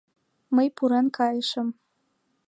Мый пурен кайышым.